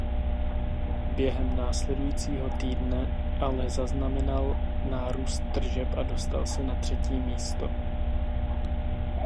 Během následujícího týdne ale zaznamenal nárůst tržeb a dostal se na třetí místo.